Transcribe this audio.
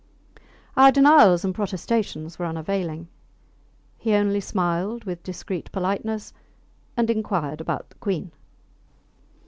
Our denials and protestations were unavailing. He only smiled with discreet politeness and inquired about the Queen.